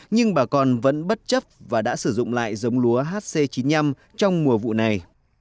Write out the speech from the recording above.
nhưng bà con vẫn bất chấp và đã sử dụng lại giống lúa hc chín mươi năm trong mùa vụ này